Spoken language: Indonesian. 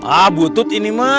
ah butut ini mah